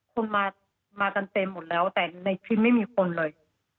คนมากันเต็มหมดแล้วแต่ในคลิปไม่มีคนเลย